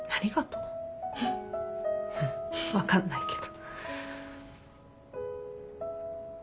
うん分かんないけど。